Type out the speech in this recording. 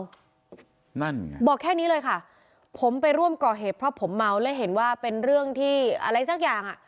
บ๊วยบ๊วยบ๊วยบอกแค่นี้เลยค่ะผมไปร่วมก่อเห็บเพราะผมเมาแล้วเห็นว่าเป็นเรื่องที่อะไรสักอย่าง